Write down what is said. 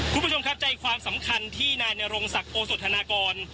คุณผู้ชมครับใจความสำคัญที่นายนรงศักดิ์โอสธนากร